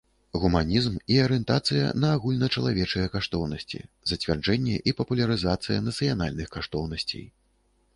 Гуманiзм i арыентацыя на агульначалавечыя каштоўнасцi, зацвярджэнне i папулярызацыя нацыянальных каштоўнасцей.